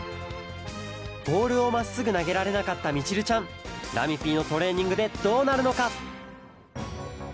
ボールをまっすぐなげられなかったみちるちゃん。ラミＰのトレーニングでどうなるのか？